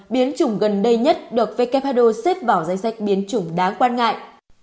biến chủng gần đây nhất được who xếp vào danh sách biến chủng đáng quan ngại